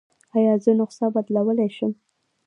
ایا زه نسخه بدلولی شم؟